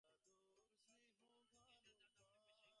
ও ছাড়াও তো জীবনের আরো অনেক জিনিস আছে, তার দাম অনেক বেশি।